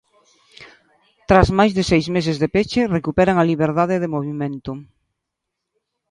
Tras máis de seis meses de peche recuperan a liberdade de movemento.